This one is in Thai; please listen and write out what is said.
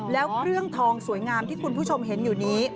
แล้วเครื่องทองสวยงามที่คุณผู้ชมเห็นอยู่นี้